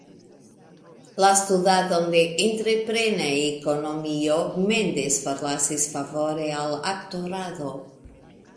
La studadon de entreprena ekonomio, Mendes forlasis favore al aktorado.